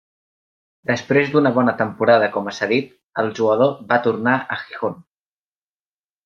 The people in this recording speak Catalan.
Després d'una bona temporada com a cedit, el jugador va tornar a Gijón.